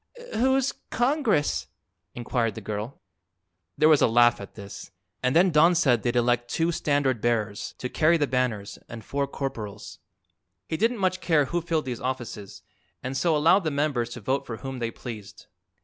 "Who's Congress?" inquired the girl. There was a laugh, at this, and then Don said they'd elect two standard bearers, to carry the banners, and four corporals. He didn't much care who filled these offices, and so allowed the members to vote for whom they pleased.